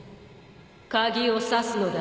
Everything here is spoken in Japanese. ・鍵を挿すのだ。